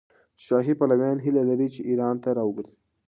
شاهي پلویان هیله لري چې ایران ته راوګرځي.